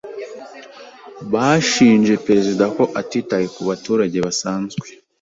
Bashinje perezida ko atitaye ku baturage basanzwe.